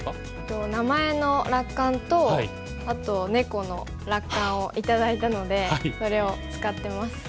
名前の落款とあと猫の落款を頂いたのでそれを使ってます。